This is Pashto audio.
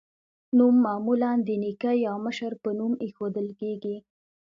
نوم معمولا د نیکه یا مشر په نوم ایښودل کیږي.